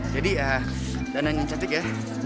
jadi dana nyincatik ya